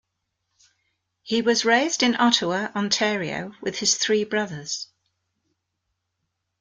He was raised in Ottawa, Ontario with his three brothers.